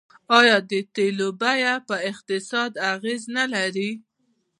آیا د تیلو بیه په اقتصاد اغیز نلري؟